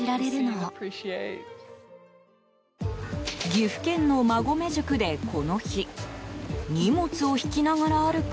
岐阜県の馬籠宿で、この日荷物を引きながら歩く